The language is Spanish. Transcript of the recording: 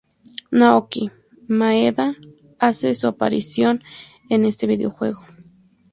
Naoki Maeda hace su aparición en este videojuego.